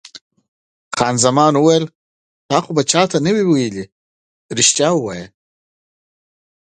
خان زمان وویل: تا خو به تراوسه چا ته نه وي ویلي؟ رښتیا وایه.